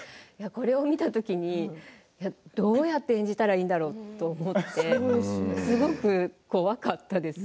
これを見た時にどうやって演じたらいいんだろうとすごく怖かったです。